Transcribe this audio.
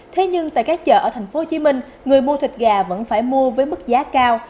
thế nhưng tại các chợ ở tp hcm người mua thịt gà vẫn phải mua với mức giá cao